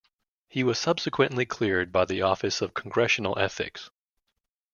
He was subsequently cleared by the Office of Congressional Ethics.